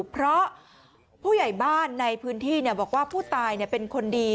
เพราะผู้ใหญ่บ้านในพื้นที่บอกว่าผู้ตายเป็นคนดี